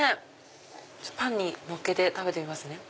パンにのっけて食べてみますね。